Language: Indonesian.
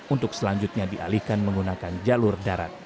untuk selanjutnya dialihkan menggunakan jalur darat